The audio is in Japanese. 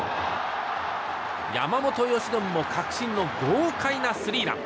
山本由伸も確信の豪快なスリーラン。